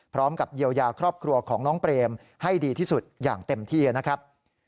พร้อมกับเยียวยาครอบครัวของน้องเปรมให้ดีที่สุดอย่างเต็มที่นะครับ